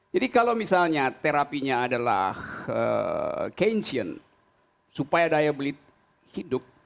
jadi kalau misalnya terapinya adalah keynesian supaya daya belit hidup